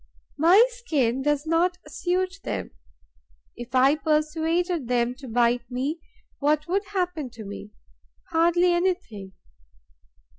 My skin does not suit them. If I persuaded them to bite me, what would happen to me? Hardly anything.